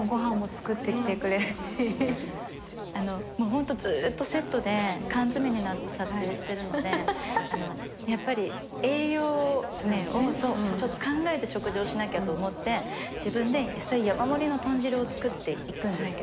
ホントずーっとセットで缶詰めになって撮影してるのでやっぱり栄養面を考えて食事をしなきゃと思って自分で野菜山盛りの豚汁を作っていくんですけど。